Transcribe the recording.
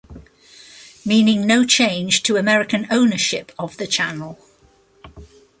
Meaning no change to American ownership of the channel.